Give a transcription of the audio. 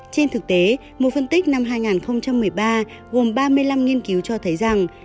trên thực tế một phân tích năm hai nghìn một mươi ba gồm ba mươi năm nghiên cứu cho thấy rằng